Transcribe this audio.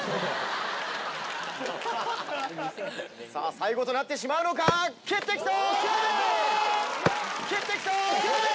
最後となってしまうのか⁉蹴ってきた！